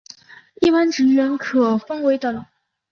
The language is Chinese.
一般职员可分为等。